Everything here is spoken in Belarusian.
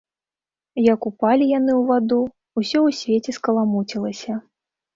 Як упалі яны ў ваду, усё ў свеце скаламуцілася.